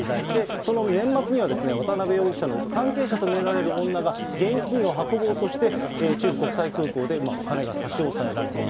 その年末には渡辺容疑者の関係者と見られる女が、現金を運ぼうとして中部国際空港でお金が差し押さえられた。